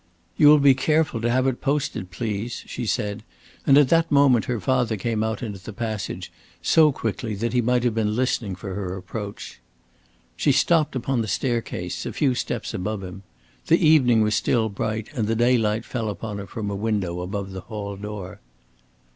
"You will be careful to have it posted, please!" she said, and at that moment her father came out into the passage, so quickly that he might have been listening for her approach. She stopped upon the staircase, a few steps above him. The evening was still bright, and the daylight fell upon her from a window above the hall door.